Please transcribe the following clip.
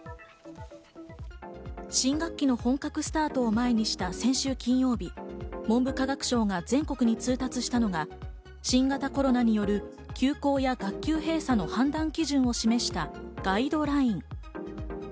新学期の本格スタートを前にした先週金曜日、文部科学省が全国に通達したのが新型コロナによる休校や学級閉鎖の判断基準を示したガイドライン。